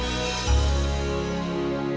sekarang saya mudah kan mak